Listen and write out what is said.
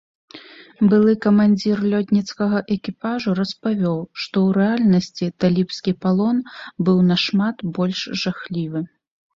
Былы камандзір лётніцкага экіпажу распавёў, што ў рэальнасці талібскі палон быў нашмат больш жахлівы.